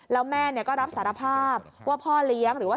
แล้วแม่ก็รับสารภาพว่าพ่อเลี้ยงหรือว่า